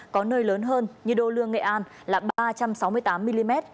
có nơi lớn hơn như đô lương nghệ an là ba trăm sáu mươi tám mm